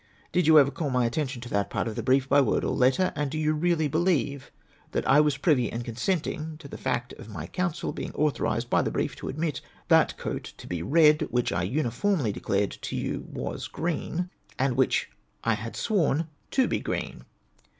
Did you ever call my attention to that part of the brief, by word or letter ? And do you really believe that I was privy and consenting to the fact of my counsel being authorised by the brief to admit that coat to be red, which I uniformly de clared to you was green, and which I had SAVorn to be green